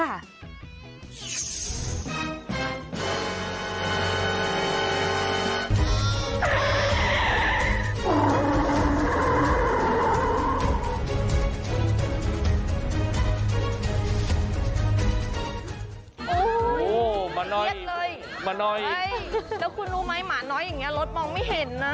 โอ้โหมาน้อยเลยมาหน่อยใช่แล้วคุณรู้ไหมหมาน้อยอย่างนี้รถมองไม่เห็นนะ